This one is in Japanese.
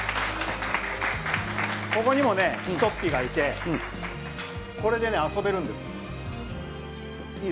ここにも、きとっピがいてこれでね、遊べるんです。